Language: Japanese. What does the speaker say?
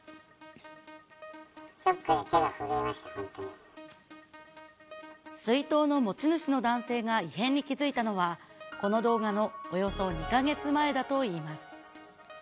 ショックで手が震えました、水筒の持ち主の男性が異変に気付いたのは、この動画のおよそ２か月前だといいます。